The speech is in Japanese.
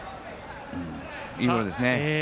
いいボールですね。